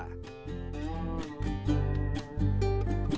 banyuwangi di bawah laut memikat mata